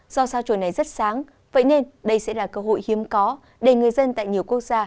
do sao chùa này rất sáng vậy nên đây sẽ là cơ hội hiếm có để người dân tại nhiều quốc gia